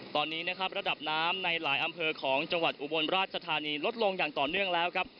ตอนนี้นะครับระดับน้ำในหลายอำเภอของจังหวัดอุบลราชธานีลดลงอย่างต่อเนื่องแล้วครับ